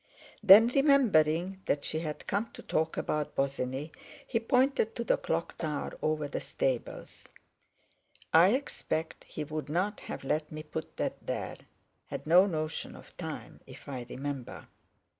Then, remembering that she had come to talk about Bosinney, he pointed to the clock tower over the stables: "I expect he wouldn't have let me put that there—had no notion of time, if I remember."